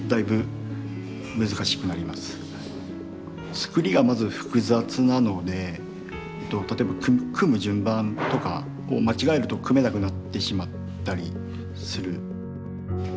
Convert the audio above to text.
つくりがまず複雑なので例えば組む順番とかを間違えると組めなくなってしまったりする。